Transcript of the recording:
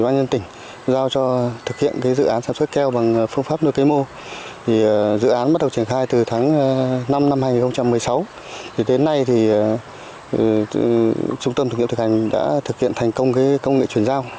năm hai nghìn một mươi sáu đến nay trung tâm thực nghiệm thực hành đã thực hiện thành công công nghệ chuyển giao